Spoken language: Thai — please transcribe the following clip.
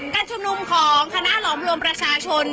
การชุมนุมของคณะหลอมรวมประชาชน